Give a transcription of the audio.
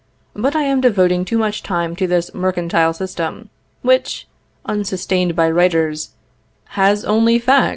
But I am devoting too much time to this mercantile system, which, unsustained by writers, has only facts in its favor!"